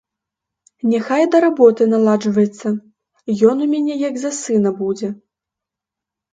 Няхай і да работы наладжваецца, ён у мяне як за сына будзе.